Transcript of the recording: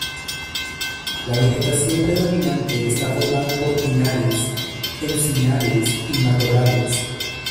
La vegetación predominante está formada por pinares, encinares y matorrales.